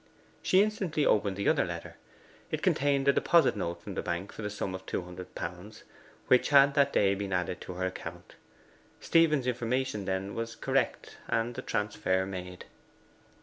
She instantly opened the other letter. It contained a deposit note from the bank for the sum of two hundred pounds which had that day been added to her account. Stephen's information, then, was correct, and the transfer made.